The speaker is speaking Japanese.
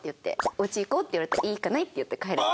「お家行こう？」って言われたら「行かない」って言って帰れば。